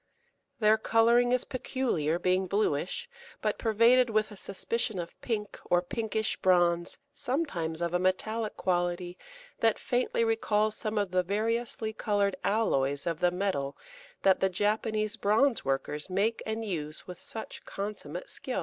Their colour is peculiar, being bluish, but pervaded with a suspicion of pink or pinkish bronze, sometimes of a metallic quality that faintly recalls some of the variously coloured alloys of metal that the Japanese bronze workers make and use with such consummate skill.